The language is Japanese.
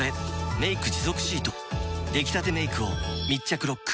「メイク持続シート」出来たてメイクを密着ロック！